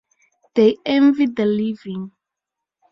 They envy the living.